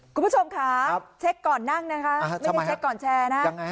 คุณผู้ชมค่ะเช็คก่อนนั่งนะคะไม่ใช่เช็คก่อนแชร์นะ